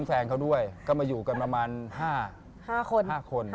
แฟนเขาด้วยก็มาอยู่กันประมาณ๕คน๕คน